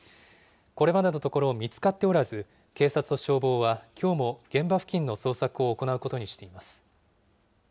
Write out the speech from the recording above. これまでのところ、見つかっておらず、警察と消防は、きょうも現場付近の捜索を行うことにしています。